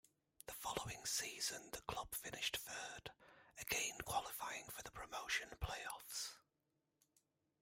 The following season the club finished third, again qualifying for the promotion play-offs.